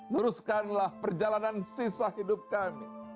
luruskanlah perjalanan sisa hidup kami